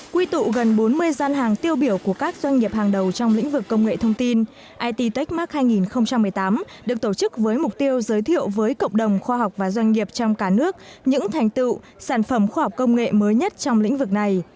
quy tụ gần bốn mươi gian hàng tiêu biểu của các doanh nghiệp hàng đầu trong lĩnh vực công nghệ thông tin it tech mark hai nghìn một mươi tám được tổ chức với mục tiêu giới thiệu với cộng đồng khoa học và doanh nghiệp trong cả nước những thành tựu sản phẩm khoa học công nghệ mới nhất trong lĩnh vực này